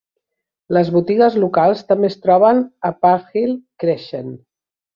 Les botigues locals també es troben a Parkhill Crescent.